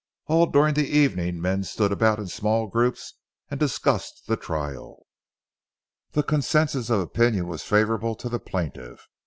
All during the evening men stood about in small groups and discussed the trial. The consensus of opinion was favorable to the plaintiff.